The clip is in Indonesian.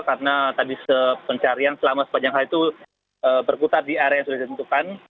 karena tadi pencarian selama sepanjang hari itu berkutar di area yang sudah ditentukan